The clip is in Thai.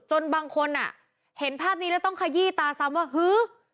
บางคนอ่ะเห็นภาพนี้แล้วต้องขยี้ตาซ้ำว่าฮือ